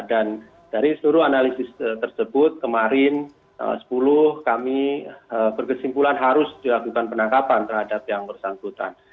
dan dari seluruh analisis tersebut kemarin sepuluh kami berkesimpulan harus dilakukan penangkapan terhadap yang bersangkutan